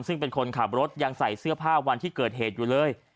ซึ่งเป็นคนขับรถยังใส่เสื้อผ้าวันที่เกิดเหตุอยู่เลย